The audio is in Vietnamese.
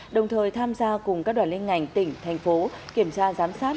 đồng thời tham gia cùng các đoàn liên ngành tỉnh thành phố kiểm tra giám sát